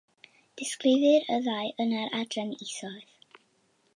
Disgrifir y ddau yn yr adrannau isod.